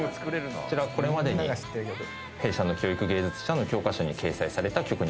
これまでに弊社の教育芸術社の教科書に掲載された曲になります。